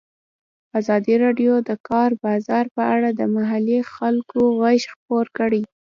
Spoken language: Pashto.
ازادي راډیو د د کار بازار په اړه د محلي خلکو غږ خپور کړی.